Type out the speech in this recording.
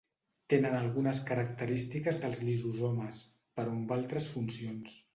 Tenen algunes característiques dels lisosomes però amb altres funcions.